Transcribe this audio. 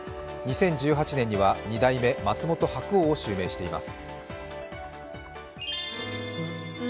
２０１８年には二代目松本白鸚を襲名しています。